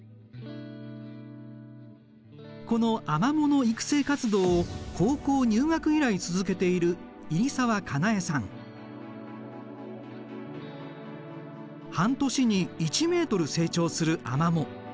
このアマモの育成活動を高校入学以来続けている半年に１ｍ成長するアマモ。